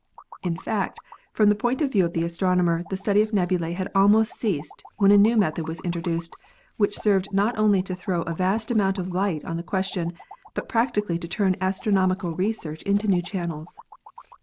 In fact, from the point of view of the astronomer the study of nebulae had almost ceased when a new method was introduced which served not only to throw a vast amount of light on the question but practi cally to turn astronomical research into new channels.